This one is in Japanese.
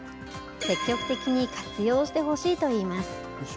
積極的に活用してほしいといいます。